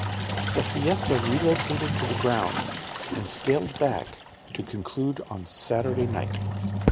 The Fiesta relocated to the grounds and scaled back to conclude on Saturday night.